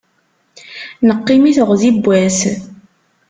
Neqqim i teɣzi n wass.